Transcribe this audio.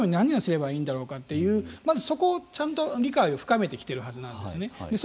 そのために何をすればいいんだろうかというまずそこをちゃんと理解を深めてきているはずなんですね。